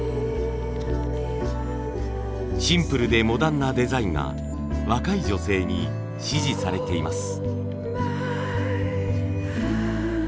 シンプルでモダンなデザインが若い女性に支持されています。